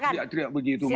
teriak teriak begitu mas